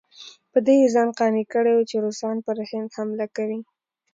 په دې یې ځان قانع کړی وو چې روسان پر هند حمله کوي.